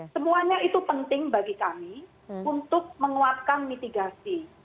semuanya itu penting bagi kami untuk menguatkan mitigasi